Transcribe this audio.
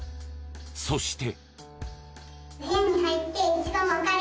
そして。